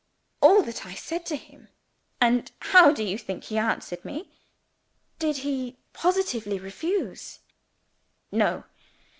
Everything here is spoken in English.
All that I said to him and how do you think he answered me?" "Did he positively refuse?" "No.